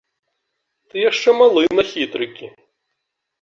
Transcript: Ты яшчэ малы на хітрыкі!